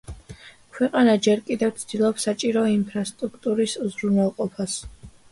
ქვეყანა ჯერ კიდევ ცდილობს საჭირო ინფრასტრუქტურის უზრუნველყოფას.